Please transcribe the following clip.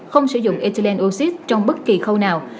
không sử dụng ethylenine oxide trong bất kỳ khâu nào